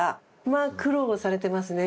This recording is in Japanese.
まあ苦労されてますね